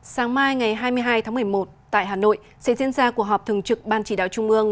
sáng mai ngày hai mươi hai tháng một mươi một tại hà nội sẽ diễn ra cuộc họp thường trực ban chỉ đạo trung ương